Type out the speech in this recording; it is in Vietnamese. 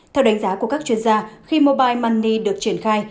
theo đánh giá của các chuyên gia khi mobile money được triển khai